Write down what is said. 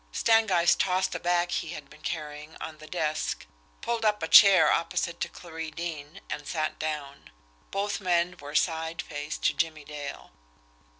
Stangeist tossed a bag he had been carrying on the desk, pulled up a chair opposite to Clarie Deane, and sat down. Both men were side face to Jimmie Dale.